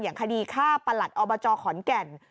คดีฆ่าประหลัดอบจขอนแก่น